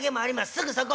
すぐそこ。